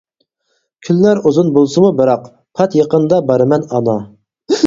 كۈنلەر ئۇزۇن بولسىمۇ بىراق، پات يېقىندا بارىمەن ئانا.